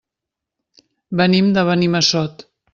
Venim de Benimassot.